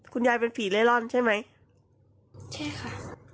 คุณยายเป็นผีเล่ร่อนใช่ไหมใช่ค่ะ